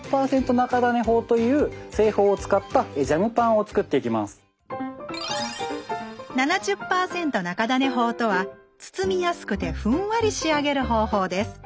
中種法とは包みやすくてふんわり仕上げる方法です。